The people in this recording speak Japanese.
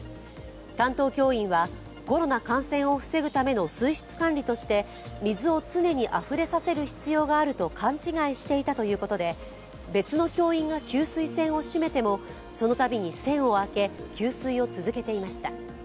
担当教員は、コロナ感染を防ぐための水質管理として、水を常にあふれさせる必要があると勘違いしていたということで別の教員が給水栓を閉めても、そのたびに栓を開け、給水を続けていました。